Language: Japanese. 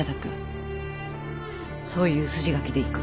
そういう筋書きでいく。